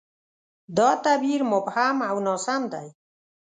دا تعبیر مبهم او ناسم دی.